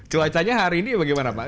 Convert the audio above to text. cuacanya hari ini bagaimana pak